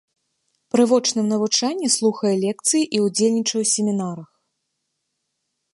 Пры вочным навучанні слухае лекцыі і ўдзельнічае ў семінарах.